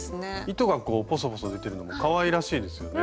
糸がこうポソポソ出てるのもかわいらしいですよね。